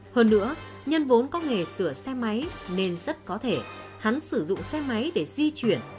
hơn nữa nhân vốn có nghề sửa xe máy nên rất có thể hắn sử dụng xe máy để di chuyển